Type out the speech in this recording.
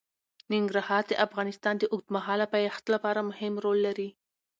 ننګرهار د افغانستان د اوږدمهاله پایښت لپاره مهم رول لري.